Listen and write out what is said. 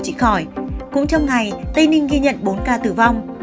cũng trong ngày tây ninh ghi nhận bốn ca tử vong